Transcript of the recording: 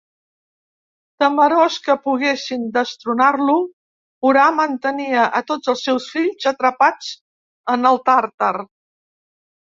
Temorós que poguessin destronar-lo, Urà mantenia a tots els seus fills atrapats en el Tàrtar.